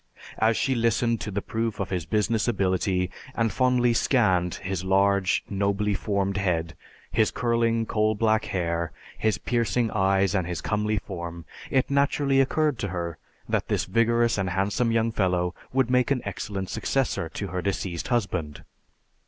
As she listened to the proof of his business ability and fondly scanned his large, nobly formed head, his curling coal black hair, his piercing eyes, and his comely form, it naturally occurred to her that this vigorous and handsome young fellow would make an excellent successor to her deceased husband.